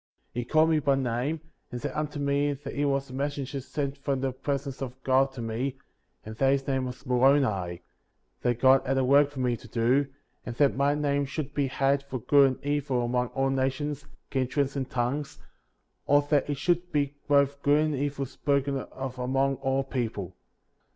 33. He called me by name, and said unto me that he was a messenger sent from the presence of God to me, and that his name was Moroni ; that God had a work for me to do; and that my name should be had for good and evil among all nations, kindreds, and tongues, or that it should be both good and evil spoken of among all people.